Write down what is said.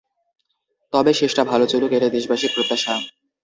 তবে শেষটা ভালো চলুক এটাই দেশবাসীর প্রত্যাশা।